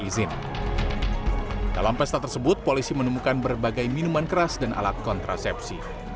izin dalam pesta tersebut polisi menemukan berbagai minuman keras dan alat kontrasepsi